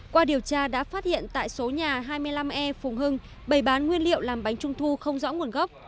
qua điều tra đã phát hiện tại số nhà hai mươi năm e phùng hưng bày bán nguyên liệu làm bánh trung thu không rõ nguồn gốc